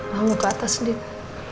mau ke atas dina